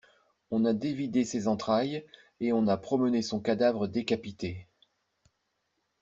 On a dévidé ses entrailles, et on a promené son cadavre décapité!